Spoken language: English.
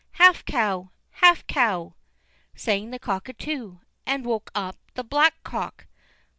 "Half cow! Half cow!" sang the Cuckoo, and woke up the Black cock.